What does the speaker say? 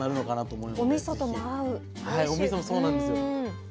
おみそそうなんですよ。